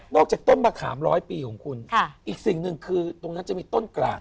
นอกจากต้นมะขามร้อยปีสองปีอีกสิ่งหนึ่งคืออยู่ที่ต้นกลาง